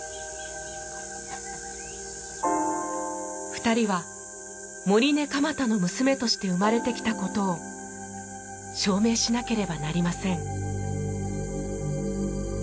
２人は盛根蒲太の娘として生まれてきたことを証明しなければなりません。